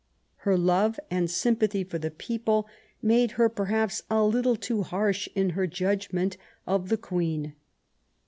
Her love and sympathy for the people made her perhaps a little too harsh in her judgment of the queen.